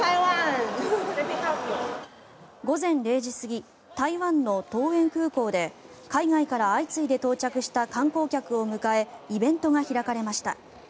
午前０時過ぎ、台湾の桃園空港で海外から相次いで到着した観光客を迎えイベントが行われました。